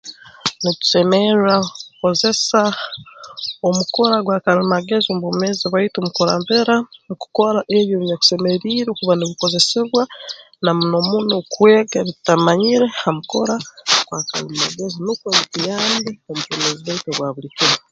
Nitusemerra okukozesa omukura gwa kalimagezi mu bwomeezi bwaitu mu kurabira mu kukora ebi ebinyakusemeriire kuba nibikozesibwa na muno muno kwega ebi tutamanyire ha mukura gwa kalimagezi nukwo bituyambe omu bwomeezi bwaitu obwa buli kiro